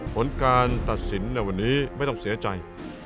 ผลการตัดสินในวันนี้ไม่ต้องเสียใจ